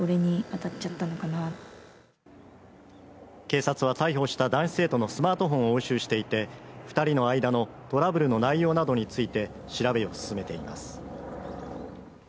警察は逮捕した男子生徒のスマートフォンを押収していて二人の間のトラブルの内容などについて調べを進めています